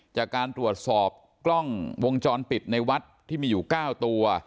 จากการตรวจสอบกล้องวงจรปิดในวัดที่มีอยู่๙ตัว